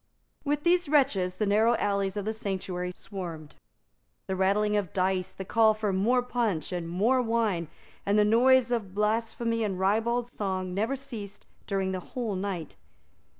With these wretches the narrow alleys of the sanctuary swarmed. The rattling of dice, the call for more punch and more wine, and the noise of blasphemy and ribald song never ceased during the whole night.